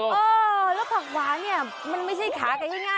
เออแล้วผักหวานเนี่ยมันไม่ใช่ขากันง่าย